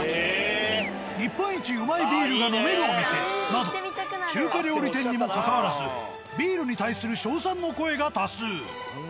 など中華料理店にもかかわらずビールに対する称賛の声が多数。